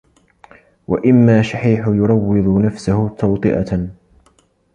وَإِمَّا شَحِيحٌ يُرَوِّضُ نَفْسَهُ تَوْطِئَةً